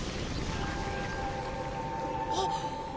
あっ！